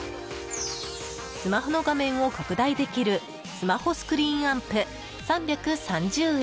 スマホの画面を拡大できるスマホスクリーンアンプ３３０円。